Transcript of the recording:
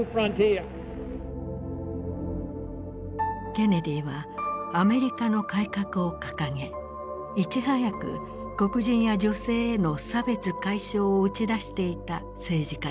ケネディはアメリカの改革を掲げいち早く黒人や女性への差別解消を打ち出していた政治家だった。